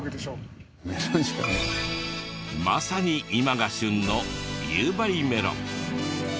まさに今が旬の夕張メロン。